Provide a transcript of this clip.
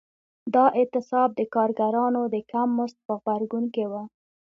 دا اعتصاب د کارګرانو د کم مزد په غبرګون کې و.